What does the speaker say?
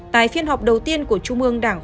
tại phiên họp đầu tiên của trung mương đảng